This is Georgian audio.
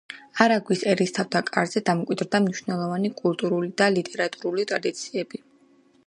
არაგვის ერისთავთა კარზე დამკვიდრდა მნიშვნელოვანი კულტურული და ლიტერატურული ტრადიციები.